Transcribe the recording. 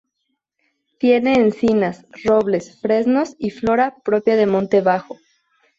Tiene encinas, robles, fresnos y flora propia de monte bajo.